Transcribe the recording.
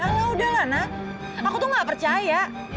nah udah lah na aku tuh gak percaya